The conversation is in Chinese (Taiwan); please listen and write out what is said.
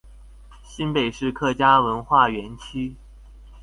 新北市客家文化園區